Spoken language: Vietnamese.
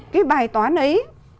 cái bài toán ấy